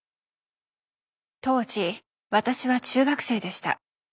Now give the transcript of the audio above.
当時私は中学生でした。